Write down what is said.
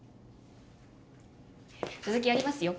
続きやりますよ。